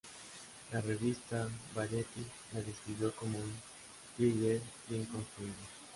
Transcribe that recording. La revista" Variety" la describió como un thriller bien construido.